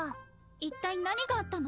一体何があったの？